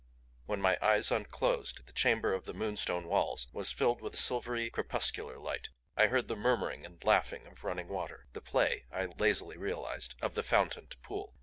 When my eyes unclosed the chamber of the moonstone walls was filled with a silvery, crepuscular light. I heard the murmuring and laughing of running water, the play, I lazily realized, of the fountained pool.